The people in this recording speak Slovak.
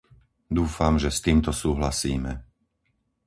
Dúfam, že s týmto súhlasíme.